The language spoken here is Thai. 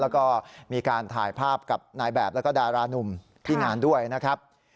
แล้วก็มีการถ่ายภาพกับนายแบบแล้วก็ดารานุ่มที่งานด้วยนะครับ